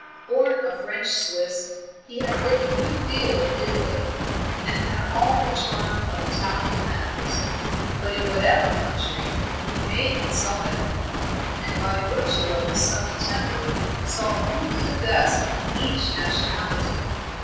Born a French Swiss, he had lived a good deal in Italy, and had all the charm of Italian manners; but in whatever country, he made himself at home, and by virtue of his sunny temper saw only the best in each nationality.